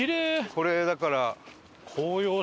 これだから。